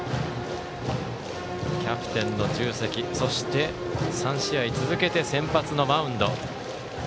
キャプテンの重責そして、３試合続けて先発のマウンド。